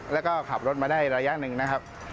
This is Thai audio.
แล้วก็ขับรถมาได้ระยะหนึ่งนะครับ